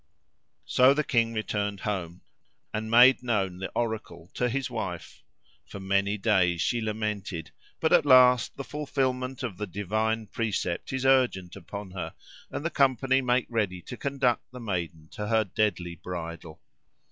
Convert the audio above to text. So the king returned home and made known the oracle to his wife. For many days she lamented, but at last the fulfilment of the divine precept is urgent upon her, and the company make ready to conduct the maiden to her deadly bridal.